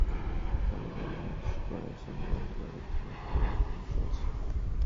কালিকলমের করা সেই নিবন্ধন পরিবর্তনের খেলা এখনো চলছে।